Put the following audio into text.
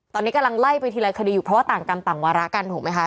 ตอนนี้กำลังไล่ไปทีละคดีอยู่เพราะว่าต่างกรรมต่างวาระกันถูกไหมคะ